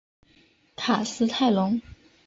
卡斯泰龙。